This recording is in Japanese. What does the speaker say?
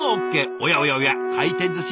おやおやおや回転ずし？